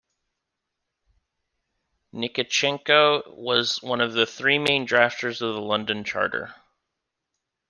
Nikitchenko was one of the three main drafters of the London Charter.